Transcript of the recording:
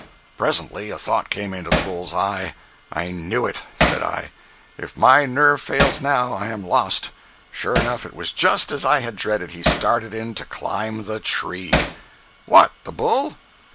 Presently a thought came into the bull's eye. I knew it! said I—if my nerve fails now, I am lost. Sure enough, it was just as I had dreaded, he started in to climb the tree—" "What, the bull?"